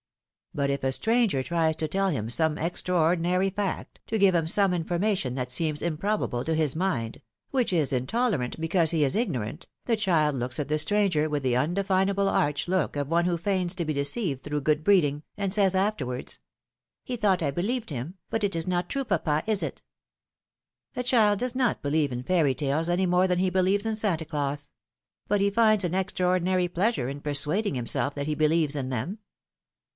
But if a stranger tries to tell him some extraordinary fact, to give him some information that seems improbable to his mind — which is intolerant because he is ignorant — the child looks at the stranger with the undefinable arch look of one who feigns to be deceived through good breeding. philomene's marriages. 113 and says afterwards: He thought I believed him, but it is not true, papa, is it?^^ A child does not believe in fairy tales any more than he believes in Santa Claus ; but he finds an extraordinary pleasure in persuading himself that he believes in them.